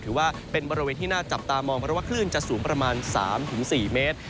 ถือว่าเป็นบริเวณที่น่าจับตามองเพราะว่าคลื่นจะสูงประมาณ๓๔เมตร